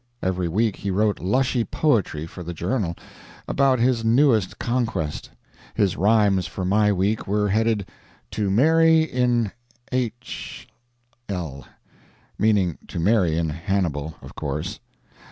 Every week he wrote lushy "poetry" for the journal, about his newest conquest. His rhymes for my week were headed, "To MARY IN H l," meaning to Mary in Hannibal, of course.